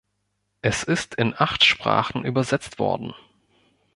Es ist in acht Sprachen übersetzt worden.